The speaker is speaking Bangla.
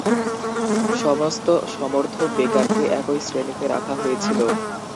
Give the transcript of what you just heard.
সমস্ত সমর্থ বেকারকে একই শ্রেণীতে রাখা হয়েছিল।